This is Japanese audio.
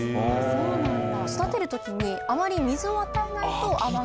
そうなんだ。